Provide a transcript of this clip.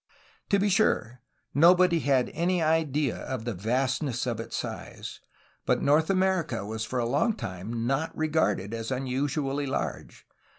To be sure, nobody had had any idea of the vastness of its size, but North America was for a long time not re garded as unusually large.